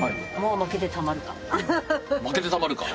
負けてたまるか。